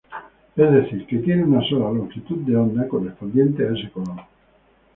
Es decir, que tiene una sola longitud de onda, correspondiente a ese color.